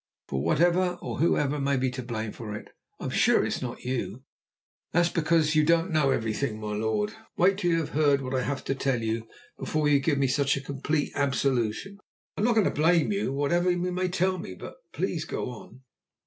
"For whatever or whoever may be to blame for it, I'm sure you're not." "That's because you don't know everything, my lord. Wait till you have heard what I have to tell you before you give me such complete absolution." "I'm not going to blame you whatever you may tell me; but please go on!"